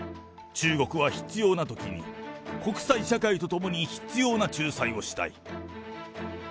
中国は、必要なときに、国際社会と共に必要な仲裁をしたい。